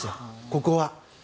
ここは。